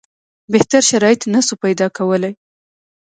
بهتر شرایط نه سو پیدا کولای.